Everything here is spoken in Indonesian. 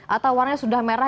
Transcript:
atau warnanya sudah merah